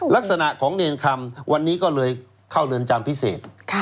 ลักษณะของเนรคำวันนี้ก็เลยเข้าเรือนจำพิเศษ